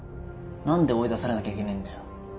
何で追い出されなきゃいけねえんだよ。